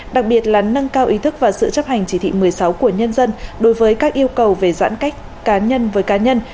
đặc biệt là nâng cao ý thức và sự chấp hành chỉ thị một mươi sáu của nhân dân đối với các yêu cầu về giãn cách cá nhân với cá nhân